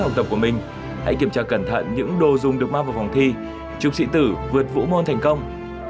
trong tập của mình hãy kiểm tra cẩn thận những đồ dùng được mang vào phòng thi chúc sĩ tử vượt vũ môn thành công